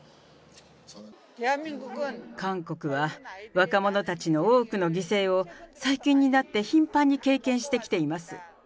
韓国は若者たちの多くの犠牲を、最近になって頻繁に経験してきています。